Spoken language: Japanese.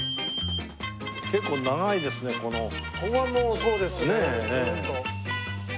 ここはそうですね。